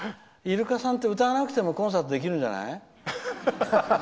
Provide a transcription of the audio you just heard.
イルカさんって、歌わなくてもコンサートできるんじゃない？